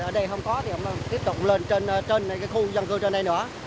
ở đây không có thì ông tiếp tục lên trên cái khu dân cư trên đây nữa